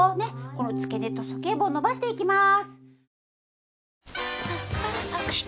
この付けねとそけい部を伸ばしていきます。